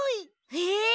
え？